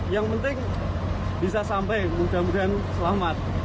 yang penting bisa sampai mudah mudahan selamat